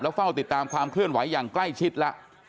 เฝ้าติดตามความเคลื่อนไหวอย่างใกล้ชิดแล้ว